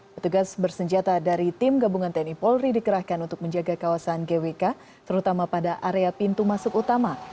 petugas bersenjata dari tim gabungan tni polri dikerahkan untuk menjaga kawasan gwk terutama pada area pintu masuk utama